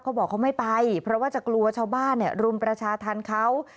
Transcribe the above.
เขาบอกเขาไม่ไปเพราะว่าจะกลัวชาวบ้านรุมประชาธรรมเขา